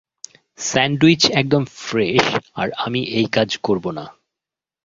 Sandwich একদম fresh আর আমি এই কাজ করব না।